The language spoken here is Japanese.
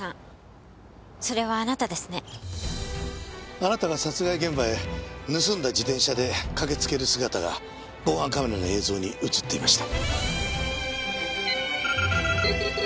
あなたが殺害現場へ盗んだ自転車で駆けつける姿が防犯カメラの映像に映っていました。